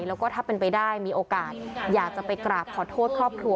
แล้วก็ถ้าเป็นไปได้มีโอกาสอยากจะไปกราบขอโทษครอบครัว